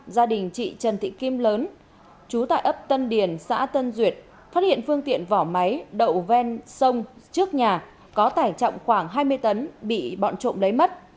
gia đình chị trần thị kim lớn chú tại ấp tân điền xã tân duyệt phát hiện phương tiện vỏ máy đậu ven sông trước nhà có tải trọng khoảng hai mươi tấn bị bọn trộm lấy mất